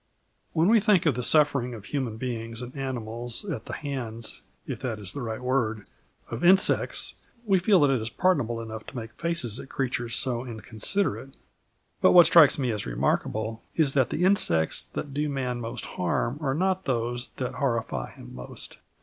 When we think of the sufferings of human beings and animals at the hands if that is the right word of insects, we feel that it is pardonable enough to make faces at creatures so inconsiderate. But what strikes one as remarkable is that the insects that do man most harm are not those that horrify him most.